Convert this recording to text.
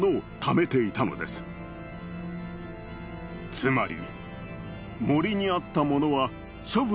つまり。